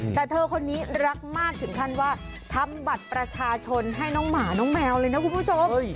แต่เธอคนนี้รักมากถึงขั้นว่าทำบัตรประชาชนให้น้องหมาน้องแมวเลยนะคุณผู้ชม